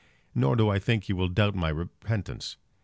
Nor do I think you will doubt my repentance.